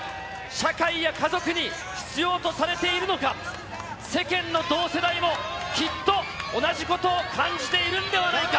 社会や家族に必要とされているのか、世間の同世代もきっと同じことを感じているんではないか。